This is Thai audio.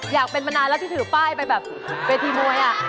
อยากเป็นมานานแล้วที่ถือป้ายไปแบบเวทีมวย